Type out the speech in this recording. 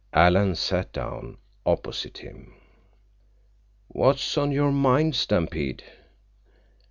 Alan sat down opposite him. "What's on your mind, Stampede?"